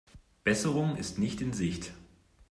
Besserung ist nicht in Sicht.